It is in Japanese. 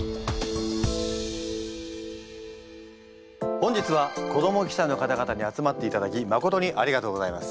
本日は子ども記者の方々に集まっていただきまことにありがとうございます。